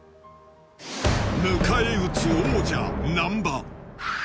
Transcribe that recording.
迎え撃つ王者難波